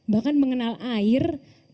bahkan mengenal air